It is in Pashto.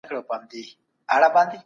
په جار نارې وهلې چي